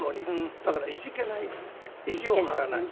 だからいじけない意地を張らないいじけない。